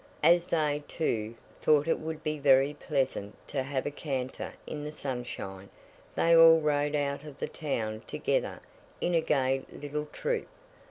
As they, too, thought it would be very pleasant to have a canter in the sunshine, they all rode out of the town together in a gay little troop.